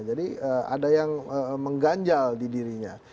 jadi ada yang mengganjal di dirinya